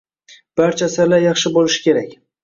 Barcha asarlar yaxshi bo’lishi kerak.